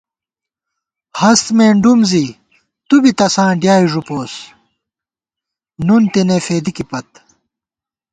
ہست مېنڈُوم زی تُو بی تساں ڈیائےݫُپوس ، نُن تېنےفېدِکےپت